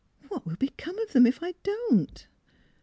What will become of them if I don't?